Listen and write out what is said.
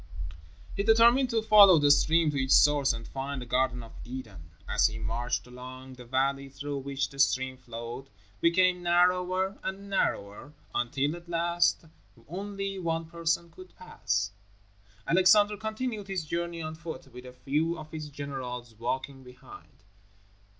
He determined to follow the stream to its source and find the Garden of Eden. As he marched along, the valley through which the stream flowed, became narrower and narrower, until, at last, only one person could pass. Alexander continued his journey on foot with a few of his generals walking behind.